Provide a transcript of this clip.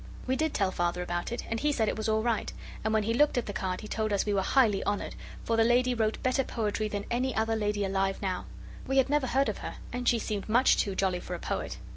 We did tell Father about it, and he said it was all right, and when he looked at the card he told us we were highly honoured, for the lady wrote better poetry than any other lady alive now. We had never heard of her, and she seemed much too jolly for a poet.